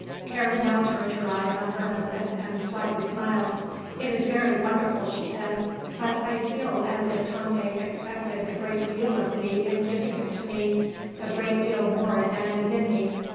Karen now turned her eyes on her husband and slightly smiled. "It is very wonderful," she said, "but I feel as if Tante expected a great deal of me in giving it to me a great deal more than is in me.